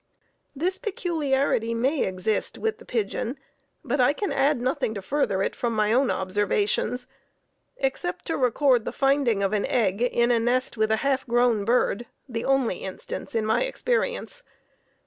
This peculiarity may exist with the pigeon, but I can add nothing to further it from my own observations, except to record the finding of an egg in the nest with a half grown bird the only instance in my experience.